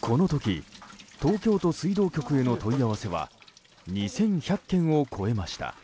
この時、東京都水道局への問い合わせは２１００件を超えました。